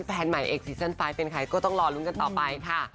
แฟนใหม่เอกซีซั่นไฟล์เป็นใครก็ต้องรอลุ้นกันต่อไปค่ะ